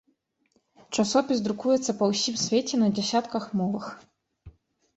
Часопіс друкуецца па ўсім свеце на дзясятках мовах.